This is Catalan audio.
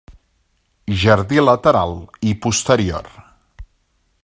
Jardí lateral i posterior.